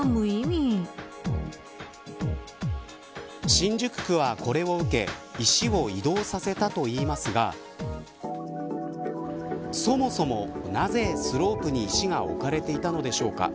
新宿区はこれを受け石を移動させたといいますがそもそも、なぜスロープに石が置かれていたのでしょうか。